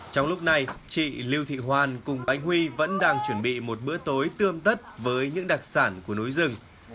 trong lúc này chị lưu thị hoàn cùng anh huy vẫn đang chuẩn bị một bữa tối tươm tất với những đặc sản của núi rừng